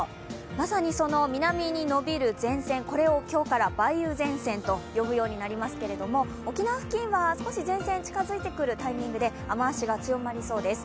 まさに南に延びる前線、これを今日から梅雨前線と呼ぶようになりますが沖縄付近は少し前線近づいてくるタイミングで雨足、強まりそうです